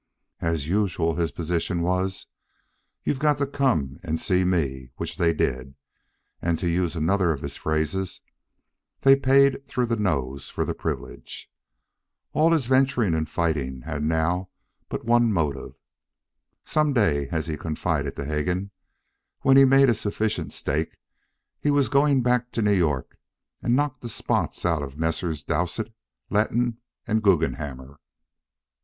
As usual, his position was, "You've got to come and see me"; which they did, and, to use another of his phrases, they "paid through the nose" for the privilege. And all his venturing and fighting had now but one motive. Some day, as he confided to Hegan, when he'd made a sufficient stake, he was going back to New York and knock the spots out of Messrs. Dowsett, Letton, and Guggenhammer.